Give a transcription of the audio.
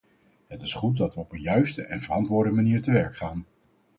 Het is goed dat we op een juiste en verantwoorde manier te werk gaan.